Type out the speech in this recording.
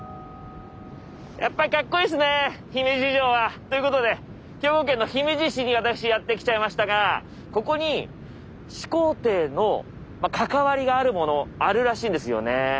やっぱりかっこいいっすね姫路城は！ということで兵庫県姫路市に私やって来ちゃいましたがここに始皇帝の関わりがあるものあるらしいんですよね。